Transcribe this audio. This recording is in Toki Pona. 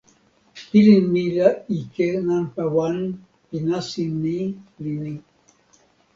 pilin mi la ike nanpa wan pi nasin ni li ni: